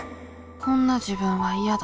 「こんな自分は嫌だ」。